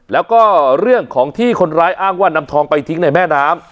แล้วก็เรื่องของที่คนร้ายอ้างว่านำทองไปทิ้งในแม่น้ำ